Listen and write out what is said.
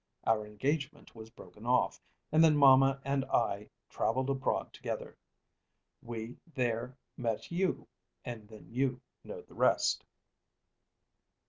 Our engagement was broken off, and then mamma and I travelled abroad together. We there met you, and then you know the rest."